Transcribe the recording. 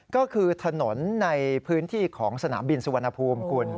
ก็คือถนนในพื้นที่ของสนามบินสุวรรณภูมิคุณ